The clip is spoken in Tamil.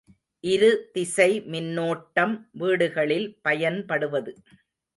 இரு திசைமின்னோட்டம் வீடுகளில் பயன்படுவது.